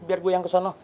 biar gue yang kesana